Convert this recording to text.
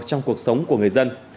trong cuộc sống của người dân